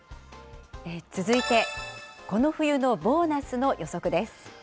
続いて、この冬のボーナスの予測です。